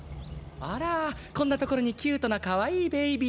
あらこんなところにキュートなかわいいベイビーたちが。